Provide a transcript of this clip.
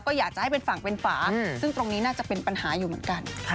ก็อยากจะให้เป็นฝั่งเป็นฝาซึ่งตรงนี้น่าจะเป็นปัญหาอยู่เหมือนกัน